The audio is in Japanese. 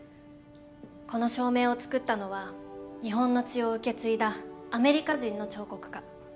この照明を作ったのは日本の血を受け継いだアメリカ人の彫刻家。